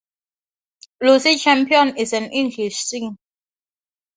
Lucy Champion is an English singer.